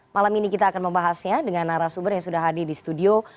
malam ini kita akan membahasnya dengan narasumber yang sudah hadir di studio